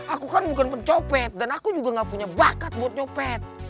aku kan bukan pencopet dan aku juga gak punya bakat buat nyopet